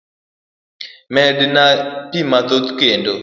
Medna pi amodh kendo